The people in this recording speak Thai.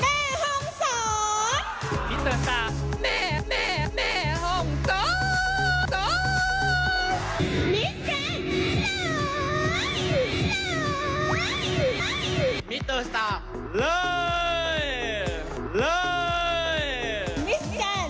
คุณชอบในที่หลัง